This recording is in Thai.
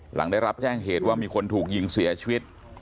หลังได้รับแจ้งเหตุว่ามีคนถูกยิงเสียชีวิต